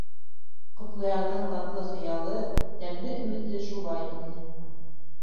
Ҡотлоярҙың татлы хыялы, тәмле өмөтө шулай ине.